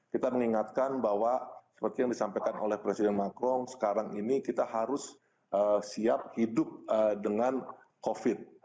kita mengingatkan bahwa seperti yang disampaikan oleh presiden macron sekarang ini kita harus siap hidup dengan covid